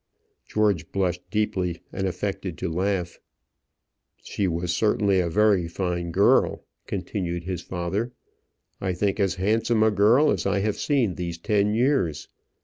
George blushed deeply, and affected to laugh. "She was certainly a very fine girl," continued his father; "I think as handsome a girl as I have seen these ten years.